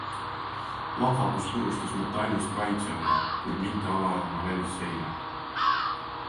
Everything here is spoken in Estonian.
Plahvatus purustas metallist kaitsevõre, kuid mitte alajaama välisseina.